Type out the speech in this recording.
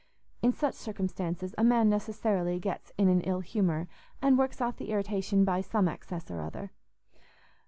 In such circumstances a man necessarily gets in an ill humour, and works off the irritation by some excess or other.